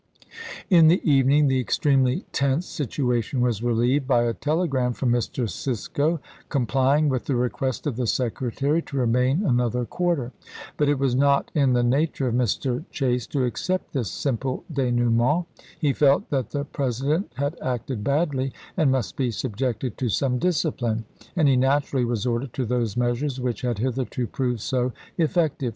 In the evening the extremely tense situation was relieved by a telegram from Mr. Cisco complying with the request of the Secretary to remain another quarter. But it was not in the nature of Mr. Chase to accept this simple denouement. He felt that the President had acted badly, and must be subjected to some discipline; and he naturally resorted to those measures which had hitherto proved so ef fective.